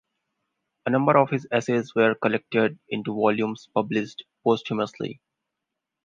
A number of his essays were collected into volumes published posthumously.